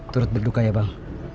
turut berduka ya bang